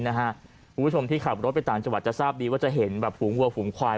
คุณผู้ชมนรที่ขับรถทางจาวัดจะทราบดีว่าเห็นแบบหูงหัวหูงควาย